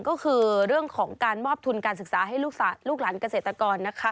ก็คือเรื่องของการมอบทุนการศึกษาให้ลูกหลานเกษตรกรนะคะ